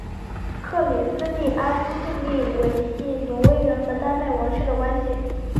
克里斯蒂安尽力维系挪威人和丹麦王室的关系。